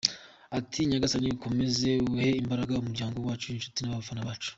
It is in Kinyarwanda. Ati "Nyagasani akomeze ahe imbaraga umuryango wacu, inshuti n’abafana bacu.